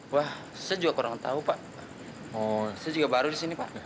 wah saya juga kurang tahu pak saya juga baru di sini pak